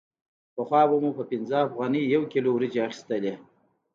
پخوا مو په پنځه افغانیو یو کیلو وریجې اخیستلې